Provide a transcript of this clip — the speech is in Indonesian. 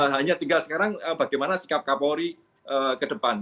hanya tinggal sekarang bagaimana sikap kapolri ke depan